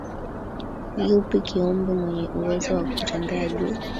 yupo kiumbe mwenye uwezo wa kutembea juu